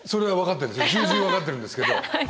重々分かってるんですけど。